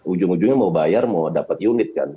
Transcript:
ujung ujungnya mau bayar mau dapat unit kan